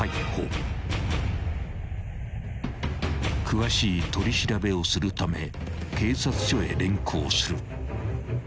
［詳しい取り調べをするため警察署へ連行する］